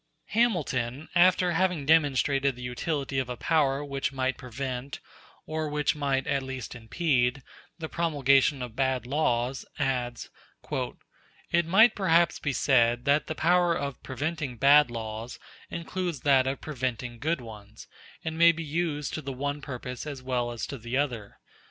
Hamilton, after having demonstrated the utility of a power which might prevent, or which might at least impede, the promulgation of bad laws, adds: "It might perhaps be said that the power of preventing bad laws includes that of preventing good ones, and may be used to the one purpose as well as to the other.